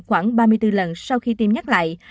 khoảng ba mươi bốn lần sau khi tiêm nhắc lại